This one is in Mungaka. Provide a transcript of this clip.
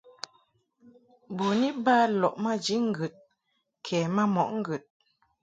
Bun iba lɔʼ maji ŋgəd kɛ ma mɔʼ ŋgəd.